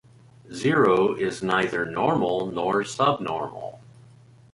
Zero is neither normal nor subnormal.